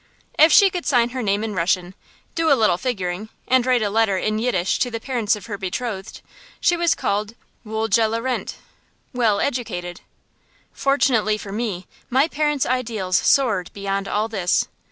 If she could sign her name in Russian, do a little figuring, and write a letter in Yiddish to the parents of her betrothed, she was called wohl gelehrent well educated. Fortunately for me, my parents' ideals soared beyond all this.